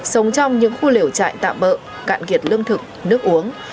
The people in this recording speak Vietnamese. sống trong những khu liều trại tạm bợ cạn kiệt lương thực nước uống